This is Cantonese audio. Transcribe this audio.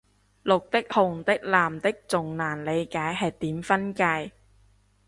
綠的紅的藍的仲難理解係點分界